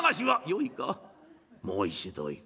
「よいかもう一度言う。